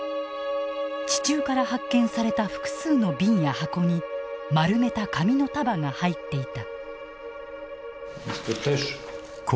地中から発見された複数の瓶や箱に丸めた紙の束が入っていた。